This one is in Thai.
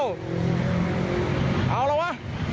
เอาละวะ